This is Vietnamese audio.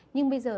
nhưng bây giờ